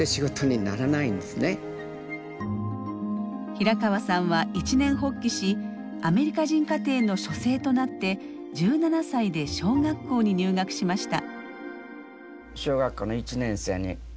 平川さんは一念発起しアメリカ人家庭の書生となって１７歳で小学校に入学しました。